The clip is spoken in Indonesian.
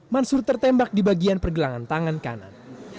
mansur tertembak di bagian pergelangan tangan kanan